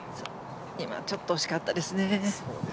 今、ちょっと惜しかったですね。